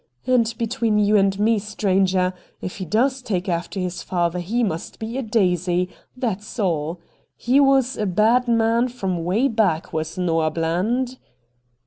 And between you and me,' stranger, if he does take after his father he must be a daisy, that's all. He was a bad man from way back was Noah Bland.'